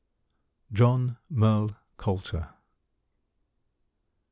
John Merle Coulter.